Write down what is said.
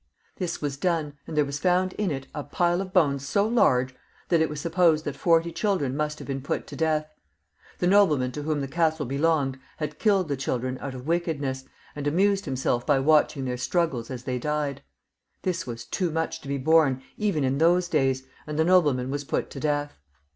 This was done, and there was found in it a pile of bones so large, that it was supposed that forty children must have been put to death. The nobleman, to whom the castle belonged, had killed the children out of wickedness, and amused himself by watch ^ ing their struggles as they died. This was too much to be borne, even in those days, and the nobleman was put to death.